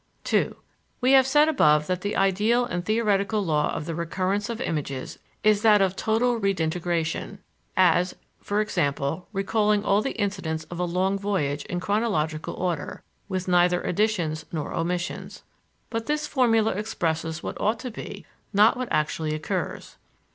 II We have said above that the ideal and theoretic law of the recurrence of images is that of "total redintegration," as e.g., recalling all the incidents of a long voyage in chronological order, with neither additions nor omissions. But this formula expresses what ought to be, not what actually occurs.